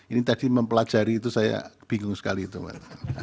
ini tadi mempelajari itu saya bingung sekali itu mbak